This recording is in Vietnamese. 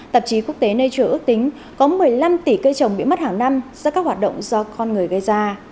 tạp chí quốc tế nature ước tính có một mươi năm tỷ cây trồng bị mất hàng năm do các hoạt động do con người gây ra